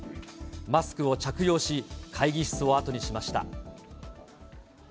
マスクを着用し、会議室を後にしました。